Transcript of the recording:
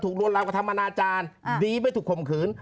ถูกโดนรับกับธรรมนาจารย์ดีไม่ถูกคมขืน